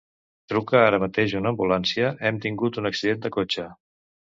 Truca ara mateix una ambulància; hem tingut un accident de cotxe.